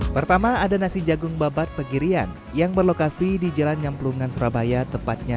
pertama ada nasi jagung babat pegirian yang berlokasi di jalan nyamplungan surabaya tepatnya